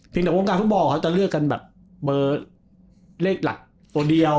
เดี๋ยววงการฟุตบอลเขาจะเลือกกันแบบเบอร์เลขหลักตัวเดียว